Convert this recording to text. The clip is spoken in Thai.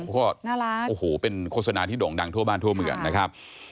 ก็น่ารักโอ้โหเป็นโฆษณาที่โด่งดังทั่วบ้านทั่วเมืองนะครับ